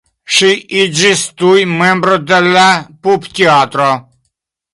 Ŝi iĝis tuj membro de la pupteatro.